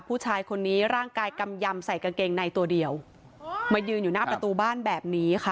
ผู้ชายคนนี้ร่างกายกำยำใส่กางเกงในตัวเดียวมายืนอยู่หน้าประตูบ้านแบบนี้ค่ะ